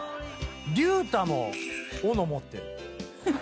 隆太も斧持ってる。